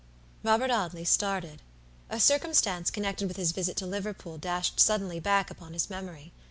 Robert Audley started. A circumstance connected with his visit to Liverpool dashed suddenly back upon his memory.